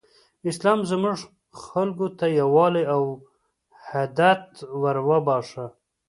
اسلام زموږ خلکو ته یووالی او حدت وروباښه.